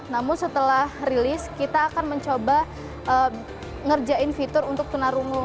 namun setelah rilis kita akan mencoba ngerjain fitur untuk tunarungu